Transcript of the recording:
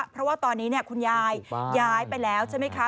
เพราะว่าตอนนี้คุณยายย้ายไปแล้วใช่ไหมคะ